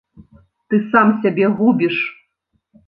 Ты сам сябе губіш!